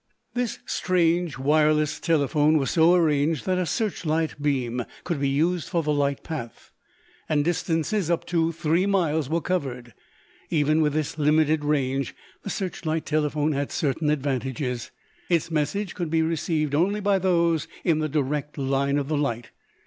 This strange, wireless telephone was so arranged that a search light beam could be used for the light path, and distances up to three miles were covered. Even with this limited range the search light telephone had certain advantages. Its message could be received only by those in the direct line of the light.